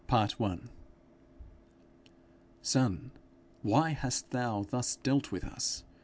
_ 'Son, why hast thou thus dealt with us?